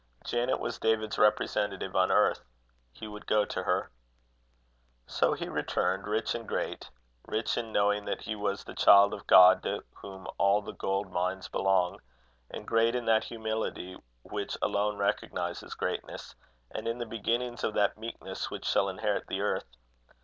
Janet was David's representative on earth: he would go to her. So he returned, rich and great; rich in knowing that he was the child of Him to whom all the gold mines belong; and great in that humility which alone recognizes greatness, and in the beginnings of that meekness which shall inherit the earth.